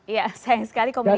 iya sayang sekali komunikasi